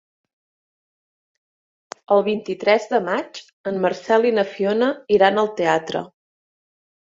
El vint-i-tres de maig en Marcel i na Fiona iran al teatre.